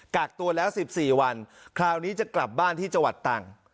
กากตัวแล้วสิบสี่วันคราวนี้จะกลับบ้านที่จวัตรตังก์